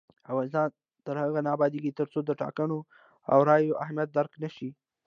افغانستان تر هغو نه ابادیږي، ترڅو د ټاکنو او رایې اهمیت درک نشي.